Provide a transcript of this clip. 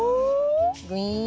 グイーン。